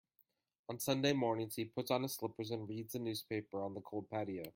On Sunday mornings, he puts on his slippers and reads the newspaper on the cold patio.